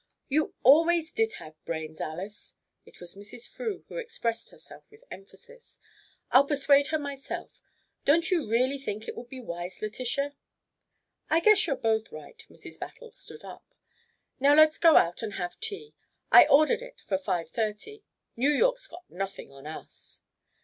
"You always did have brains, Alys!" It was Mrs. Frew who expressed herself with emphasis. "I'll persuade her myself. Don't you really think it would be wise, Letitia?" "I guess you're both right." Mrs. Battle stood up. "Now let's go out and have tea. I ordered it for five thirty. New York's got nothing on us."